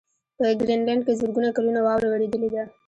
په ګرینلنډ کې زرګونه کلونه واوره ورېدلې ده